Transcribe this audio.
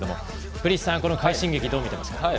福西さん、快進撃どう見ていますか？